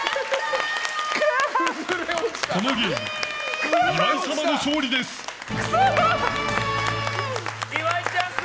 このゲーム岩井様の勝利です。